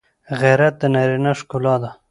غیرت د نارینه ښکلا ده